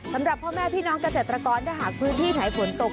สำหรับพ่อแม่พี่น้องเกษตรกรถ้าหากพื้นที่ไหนฝนตก